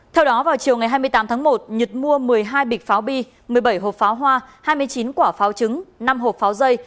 theo đó vào chiều ngày hai mươi tám tháng một nhật mua một mươi hai bịch pháo bi một mươi bảy hộp pháo hoa hai mươi chín quả pháo trứng năm hộp pháo dây